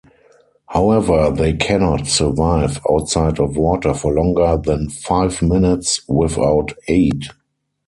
However they cannot survive outside of water for longer than five minutes without aid.